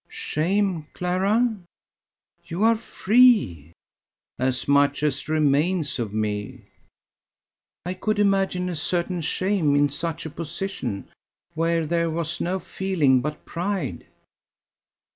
"Shame, Clara? You are free." "As much as remains of me." "I could imagine a certain shame, in such a position, where there was no feeling but pride."